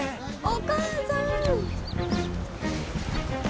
お母さん。